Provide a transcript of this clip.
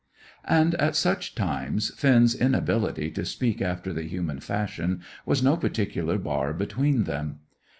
And at such times, Finn's inability to speak after the human fashion was no particular bar between them.